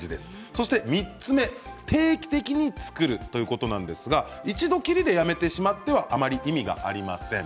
そして３つ目定期的に作るということなんですが、一度きりでやめてしまってはあまり意味がありません。